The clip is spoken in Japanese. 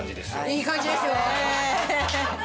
いい感じですよね。